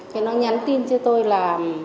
thì nó nhắn tin cho tôi là